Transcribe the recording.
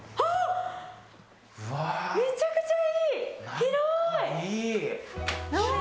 めちゃくちゃいい！